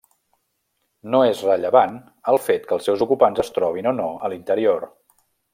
No és rellevant el fet que els seus ocupants es trobin o no a l'interior.